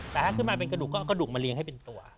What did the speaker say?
แต่ถ้าขึ้นมาเป็นกระดูกก็เอากระดูกมาเลี้ยให้เป็นตัว